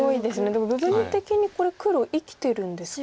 でも部分的にこれ黒生きてるんですか？